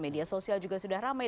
media sosial juga sudah ramai